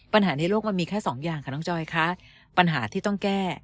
ในโลกมันมีแค่สองอย่างค่ะน้องจอยคะปัญหาที่ต้องแก้